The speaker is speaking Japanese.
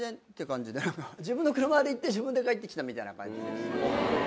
自分の車で行って自分で帰ってきたみたいな感じ。